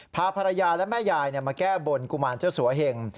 พาภรรยาและแม่ยายมาแก้บนกุมารเจ้าสัวเหง